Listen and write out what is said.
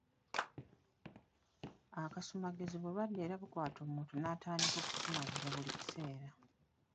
Akasumagizi bulwadde era bukwata omuntu n'atandika okusumagira buli kiseera.